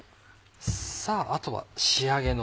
さぁあとは仕上げの。